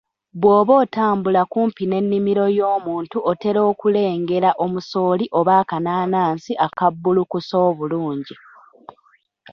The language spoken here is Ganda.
Bw'oba otambula kumpi n'ennimiro y'omuntu otera okulengera omusooli oba akanaanansi akabuulukuse obulungi